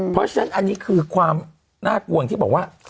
เพราะฉะนั้นอันนี้คือความน่ากลัวที่บอกว่า